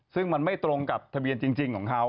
ซึ่งมันไม่ตรงกับทะเบียนจริงของเขา